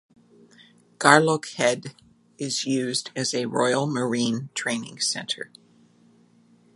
Garelochhead is used as a Royal Marine training centre.